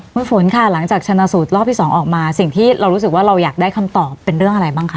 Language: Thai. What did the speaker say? คุณฝนค่ะหลังจากชนะสูตรรอบที่๒ออกมาสิ่งที่เรารู้สึกว่าเราอยากได้คำตอบเป็นเรื่องอะไรบ้างคะ